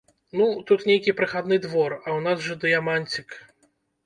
Ну, тут нейкі прахадны двор, а ў нас жа дыяманцік.